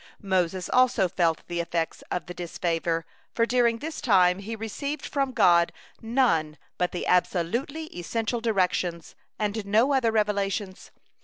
Moses also felt the effects of the disfavor, for during this time he received from God none but the absolutely essential directions, and no other revelations.